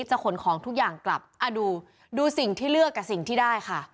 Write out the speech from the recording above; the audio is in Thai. ขนของทุกอย่างกลับดูดูสิ่งที่เลือกกับสิ่งที่ได้ค่ะ